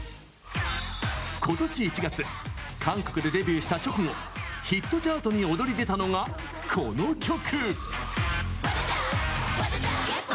今年１月韓国でデビューした直後ヒットチャートに躍り出たのがこの曲。